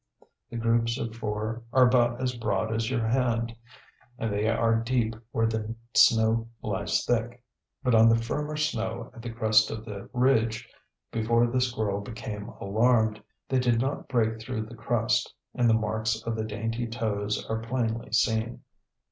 The groups of four are about as broad as your hand, and they are deep where the snow lies thick. But on the firmer snow at the crest of the ridge, before the squirrel became alarmed, they did not break through the crust, and the marks of the dainty toes are plainly seen.